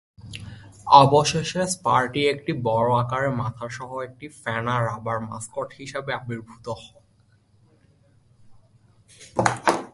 অবশেষে, স্পারটি একটি বড় আকারের মাথা সহ একটি ফেনা রাবার মাস্কট হিসাবে আবির্ভূত হয়।